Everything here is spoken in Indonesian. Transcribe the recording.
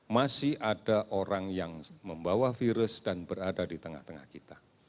masih ada orang yang membawa virus dan berada di tengah tengah kita